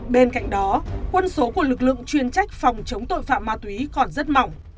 bên cạnh đó quân số của lực lượng chuyên trách phòng chống tội phạm ma túy còn rất mỏng